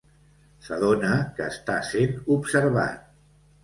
S'adona que està sent observat.